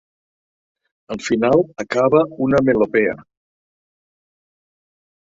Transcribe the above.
Al final, acaba una melopea.